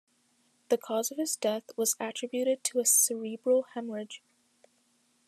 The cause of his death was attributed to a cerebral hemorrhage.